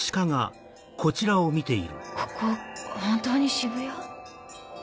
ここ本当に渋谷？